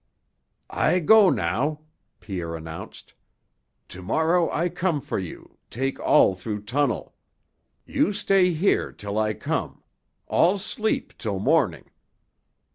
"I go now," Pierre announced. "To morrow I come for you, take all through tunnel. You stay here till I come; all sleep till morning."